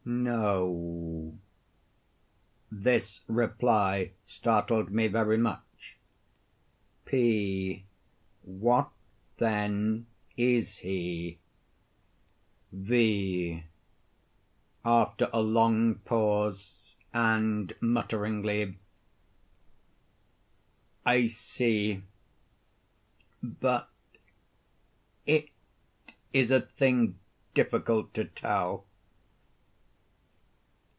V. No. [This reply startled me very much.] P. What, then, is he? V. [After a long pause, and mutteringly.] I see—but it is a thing difficult to tell.